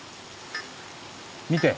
見て！